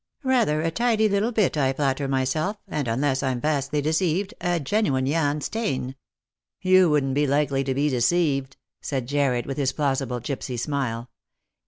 " Rather a tidy little bit, I flatter myself, and, unless I'm vastly deceived, a genuine Jan Steen." "You wouldn't be likely to be deceived," said Jarred, with his plausible gipsy smile.